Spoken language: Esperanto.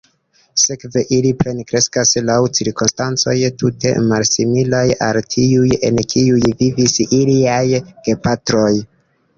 Sekve ili plenkreskas laŭ cirkonstancoj tute malsimilaj al tiuj, en kiuj vivis iliaj gepatroj.